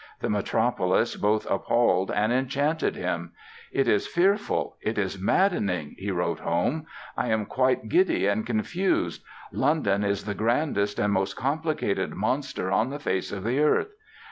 The metropolis both appalled and enchanted him. "It is fearful! It is maddening!", he wrote home; "I am quite giddy and confused. London is the grandest and most complicated monster on the face of the earth.